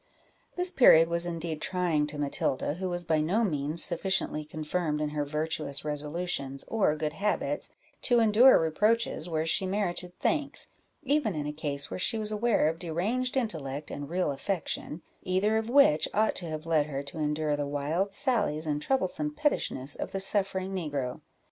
This period was indeed trying to Matilda, who was by no means sufficiently confirmed in her virtuous resolutions, or good habits, to endure reproaches where she merited thanks, even in a case where she was aware of deranged intellect and real affection, either of which ought to have led her to endure the wild sallies and troublesome pettishness of the suffering negro.